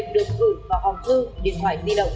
được gửi vào hòn thư điện thoại di động